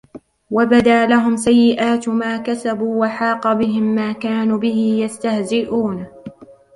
وَبَدَا لَهُمْ سَيِّئَاتُ مَا كَسَبُوا وَحَاقَ بِهِمْ مَا كَانُوا بِهِ يَسْتَهْزِئُونَ